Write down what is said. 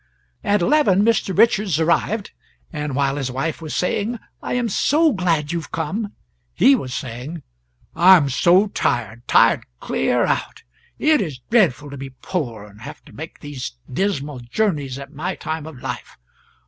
At eleven Mr. Richards arrived, and while his wife was saying "I am so glad you've come!" he was saying, "I am so tired tired clear out; it is dreadful to be poor, and have to make these dismal journeys at my time of life.